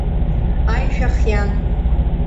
Аишәа хиан.